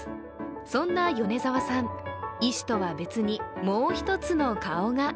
そんな米澤さん、医師とは別にもう一つの顔が。